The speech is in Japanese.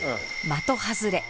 的外れ。